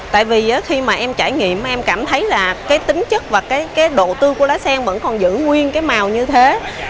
tại vì khi mà em trải nghiệm em cảm thấy là cái tính chất và cái độ tươi của lá sen vẫn còn giữ nguyên cái màu như thế